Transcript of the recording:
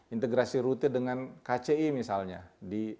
integrasi rute dengan kci misalnya di sudirman misalnya yang dilakukan